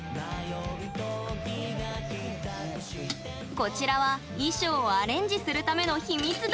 こちらは衣装をアレンジするための秘密道具。